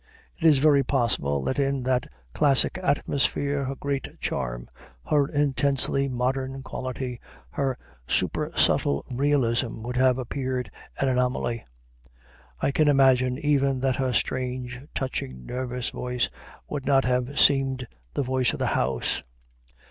It is very possible that in that classic atmosphere her great charm her intensely modern quality, her super subtle realism would have appeared an anomaly. I can imagine even that her strange, touching, nervous voice would not have seemed the voice of the house.